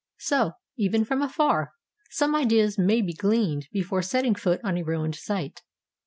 So, even from afar, some ideas may be gleaned before setting foot on a ruined site.